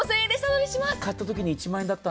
買ったときに１万円だった。